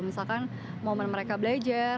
misalkan momen mereka belajar